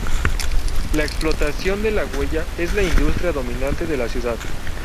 La explotación de la hulla es la industria dominante de la ciudad.